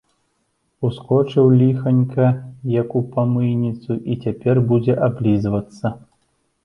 Ускочыў, ліханька, як у памыйніцу, і цяпер будзе аблізвацца.